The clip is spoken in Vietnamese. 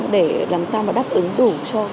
để làm sao đáp ứng đủ